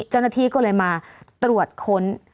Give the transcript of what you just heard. เจ้าหน้าที่ก็เลยมาตรวจค้น